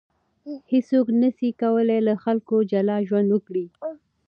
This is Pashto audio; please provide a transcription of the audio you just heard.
هیڅوک نسي کولای له خلکو جلا ژوند وکړي.